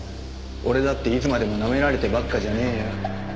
俺だっていつまでもなめられてばっかじゃねえよ。